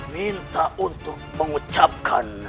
minta untuk mengucapkan